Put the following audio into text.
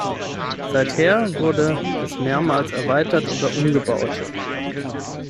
Seither wurde es mehrmals erweitert oder umgebaut.